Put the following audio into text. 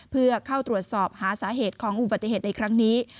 เพื่อเข้าตรวจสอบหาสาเหตุของอุบัติเหตุในครั้งนี้